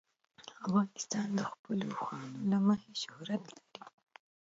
افغانستان د خپلو اوښانو له امله شهرت لري.